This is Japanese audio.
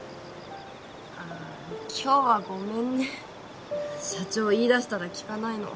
今日はごめんね社長言い出したら聞かないの。